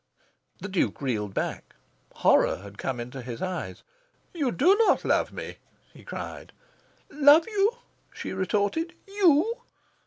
The Duke reeled back. Horror had come into his eyes. "You do not love me!" he cried. "LOVE you?" she retorted. "YOU?"